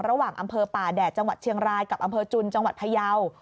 ระหว่างอำเภอป่าแดดจังหวัดเชียงรายกับอำเภอจุนจังหวัดพยาว